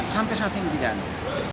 sampai saat ini dijalankan